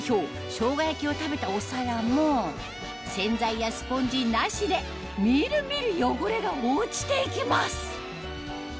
生姜焼きを食べたお皿も洗剤やスポンジなしで見る見る汚れが落ちて行きます